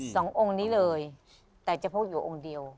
สององค์นี้เลยแต่จะพกอยู่องค์เดียว